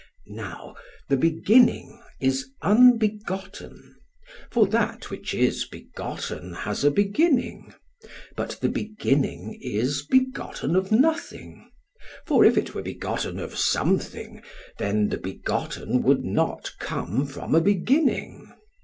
Now, the beginning is unbegotten, for that which is begotten has a beginning; but the beginning is begotten of nothing, for if it were begotten of something, then the begotten would not come from a beginning.